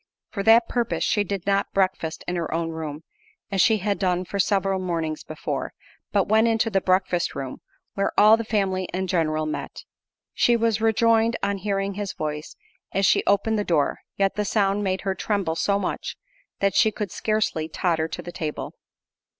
For that purpose she did not breakfast in her own room, as she had done for several mornings before, but went into the breakfast room, where all the family in general met. She was rejoiced on hearing his voice as she opened the door, yet the sound made her tremble so much, that she could scarcely totter to the table.